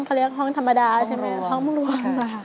พร้อมรวม